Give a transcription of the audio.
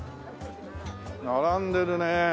並んでるね。